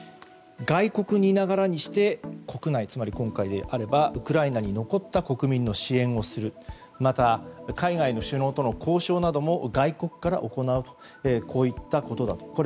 外国にいながらにして国内、つまり今回であればウクライナに残った国民の支援をするまた、海外の首脳との交渉なども外国から行うこういったことだと。